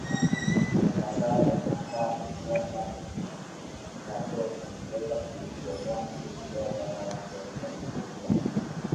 wapatao elfu tano mawakalaJohn anaweza kuitwa mwana kujitoa Baba yake alifariki akiwa na